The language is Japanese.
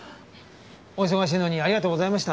お忙しいのにありがとうございました。